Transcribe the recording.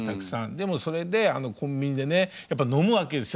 でもそれであのコンビニでねやっぱ飲むわけですよ